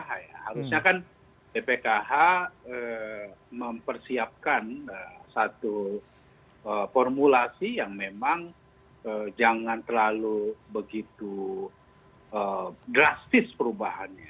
harusnya kan bpkh mempersiapkan satu formulasi yang memang jangan terlalu begitu drastis perubahannya